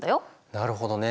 なるほどね。